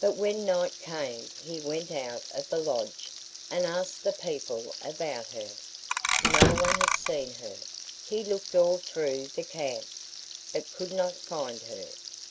But when night came he went out of the lodge and asked the people about her. No one had seen her. He looked all through the camp, but could not find her.